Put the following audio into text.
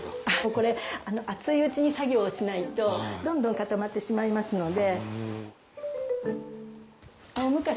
これ熱いうちに作業をしないとどんどん固まってしまいますので。